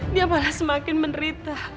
dia malah semakin menerita